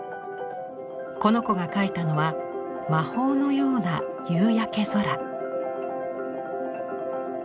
この子が描いたのは魔法のような夕焼け空。